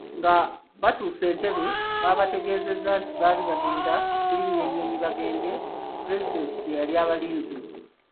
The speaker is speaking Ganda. Nga batuuse Entebbe babategeeza nti baali bagenda kulinnya nnyonyi bagende Pulezidenti gye yali abalinze.